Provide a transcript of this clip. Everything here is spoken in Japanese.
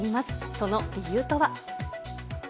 その理由とは。